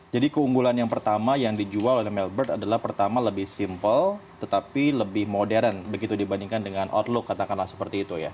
jadi keunggulan yang pertama yang dijual oleh mailbird adalah pertama lebih simple tetapi lebih modern begitu dibandingkan dengan outlook katakanlah seperti itu ya